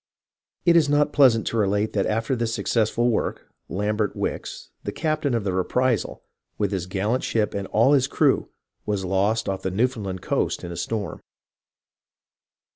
It is not pleasant to relate that after his successful work, Lambert Wickes, the captain of the Reprisal, with his gallant ship and all his crew, was lost off the Newfoundland coast in a storm.